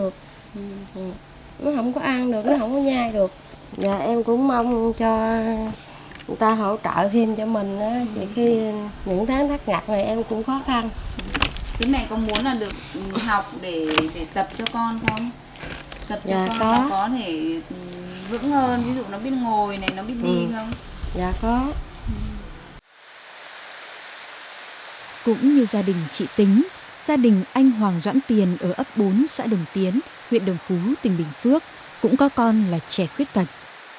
cũng như gia đình chị tính gia đình anh hoàng doãn tiền ở ấp bốn xã đồng tiến huyện đồng phú tỉnh bình phước cũng có con là trẻ khuyết cạch